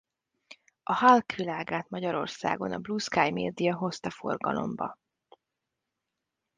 A Hulk világát Magyarországon a Blue Sky Media hozta forgalomba.